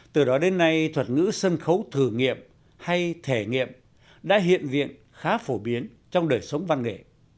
từ đó đến nay thuật ngữ sân khấu thử nghiệm hay thể nghiệm đã hiện diện khá phổ biến trong đời sống văn nghệ